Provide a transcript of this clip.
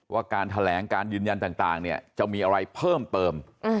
การแถลงการยืนยันต่างเนี่ยจะมีอะไรเพิ่มเติม